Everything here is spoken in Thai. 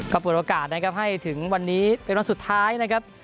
ก็เปิดโอกาสนะครับให้ถึงวันนี้เป็นวันสุดท้ายนะครับ